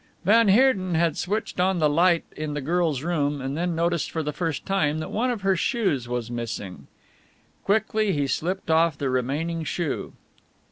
Van Heerden had switched on the light in the girl's room and then noticed for the first time that one of her shoes was missing. Quickly he slipped off the remaining shoe.